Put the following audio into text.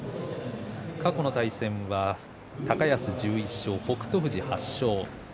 過去の対戦は高安１１勝北勝富士８勝。